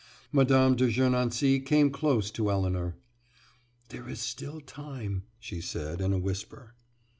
Mme. de Gernancé came close to Elinor. "There is still time," she said in a whisper.